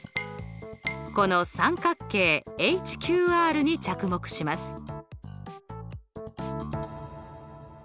この三角形ＨＱＲに着目します。